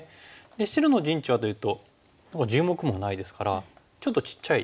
で白の陣地はというと１０目もないですからちょっとちっちゃい。